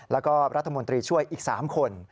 แล้วก็รัฐมนตรีช่วยอีก๓คน